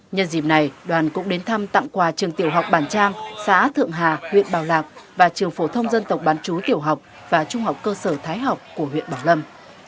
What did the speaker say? nhân dịp này đoàn cũng đến thăm tặng quà trường tiểu học bản trang xã thượng hà huyện bảo lạc và trường phổ thông dân tộc bán chú tiểu học và trung học cơ sở thái học của huyện bảo lâm